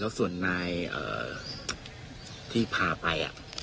แล้วส่วนนายที่พาไป